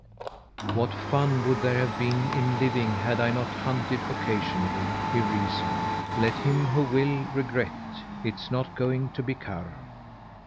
"What fun would there have been in living had I not hunted occasionally?" he reasoned. "Let him who will, regret; it's not going to be Karr!"